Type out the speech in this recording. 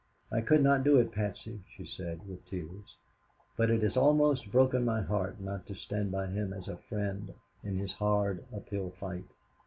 "I could not do it, Patsy," she said, with tears; "but it has almost broken my heart not to stand by him as a friend in his hard, uphill fight.